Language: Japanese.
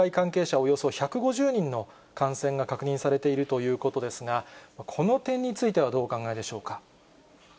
およそ１５０人の感染が確認されているということですが、この点についてはどうお考えでしょうか。